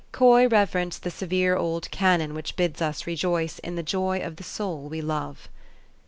Coy rev erenced the severe old canon which bids us rejoice in the joy of the soul we love.